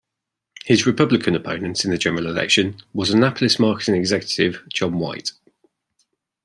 His Republican opponent in the general election was Annapolis marketing executive John White.